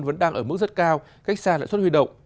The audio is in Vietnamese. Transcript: vẫn đang ở mức rất cao cách xa lãi suất huy động